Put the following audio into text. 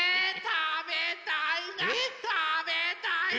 たべたいな！